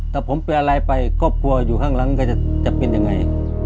ถ้าผมไปอะไรไปก็กลัวอยู่ข้างหลังก็จะจับกินยังไง